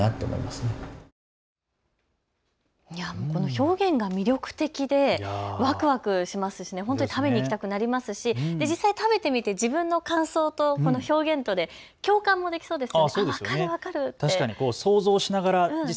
表現が魅力的でわくわくしますし本当に食べに行きたくなりますし実際食べてみて自分の感想と表現とで共感もできそうですね。